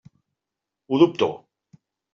Ho dubto.